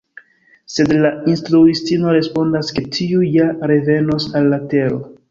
Sed la instruistino respondas ke tiu ja revenos al la tero.